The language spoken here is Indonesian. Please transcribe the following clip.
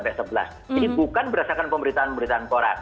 ini bukan berdasarkan pemberitaan pemberitaan koran